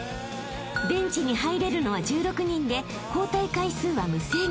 ［ベンチに入れるのは１６人で交代回数は無制限］